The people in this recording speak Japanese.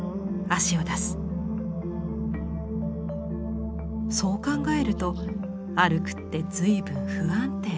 そう考えると歩くって随分不安定。